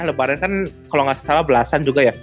lebaran kan kalau nggak salah belasan juga ya